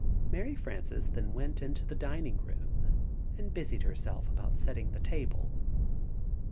Mary Frances then went in the dining room, and busied herself about setting the table.